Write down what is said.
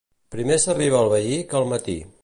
Primer s'arriba al veí que al matí.